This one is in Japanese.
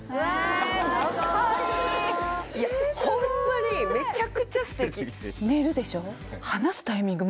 ホンマにめちゃくちゃ素敵寝るでしょ